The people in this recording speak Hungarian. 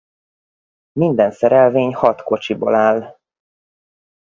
Minden szerelvény hat kocsiból áll.